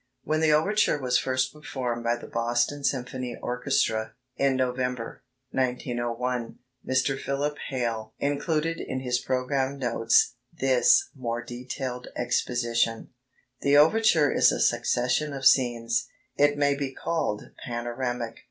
When the overture was first performed by the Boston Symphony Orchestra (in November, 1901), Mr. Philip Hale included in his programme notes this more detailed exposition: "The overture is a succession of scenes: it may be called panoramic.